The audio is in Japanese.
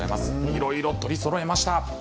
いろいろと取りそろえました。